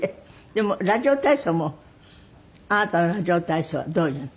でもラジオ体操もあなたのラジオ体操はどういうの？